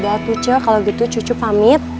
yaudah tuh ce kalau gitu cucu pamit